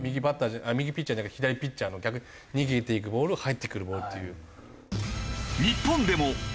右ピッチャーじゃなくて左ピッチャーの逆に逃げていくボール入ってくるボールという。